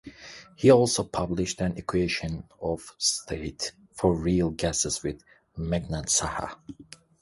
He also published an equation of state for real gases with Meghnad Saha.